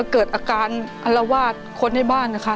เกิดอาการอรวาสคนในบ้าน